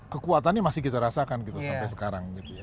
kekuatannya masih kita rasakan gitu sampai sekarang